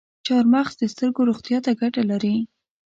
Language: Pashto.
چارمغز د سترګو روغتیا ته ګټه لري.